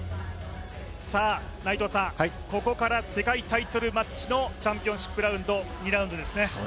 ここから世界タイトルマッチのチャンピオンシップラウンド、２ラウンドですね。